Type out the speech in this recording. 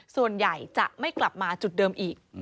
ส่วนใหญ่จะไม่กลับมาจุดเดิมอีก